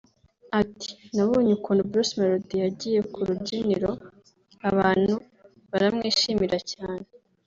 Ati “Nabonye ukuntu Bruce Melody yagiye ku rubyiniro abantu baramwishimira cyane